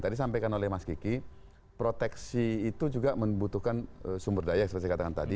tadi sampaikan oleh mas kiki proteksi itu juga membutuhkan sumber daya yang seperti saya katakan tadi